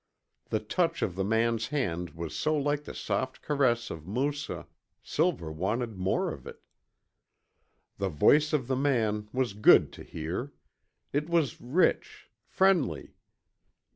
The touch of the man's hand was so like the soft caress of Moussa Silver wanted more of it. The voice of the man was good to hear. It was rich, friendly.